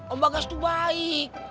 om bagas tuh baik